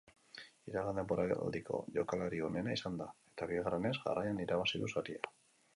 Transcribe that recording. Iragan denboraldiko jokalari onena izan da, eta bigarrenez jarraian irabazi du saria.